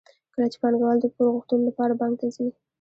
کله چې پانګوال د پور غوښتلو لپاره بانک ته ځي